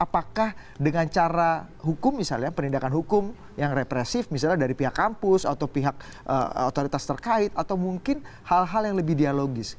apakah dengan cara hukum misalnya penindakan hukum yang represif misalnya dari pihak kampus atau pihak otoritas terkait atau mungkin hal hal yang lebih dialogis